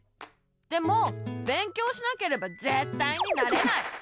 でも勉強しなければぜったいになれない！